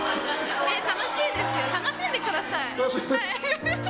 楽しいですよ、楽しんでください。